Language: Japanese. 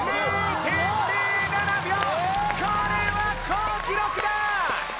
これは好記録だ！